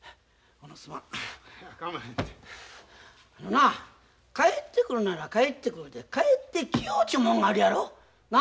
あのな帰ってくるなら帰ってくるで帰ってきようちゅうもんがあるやろ。な？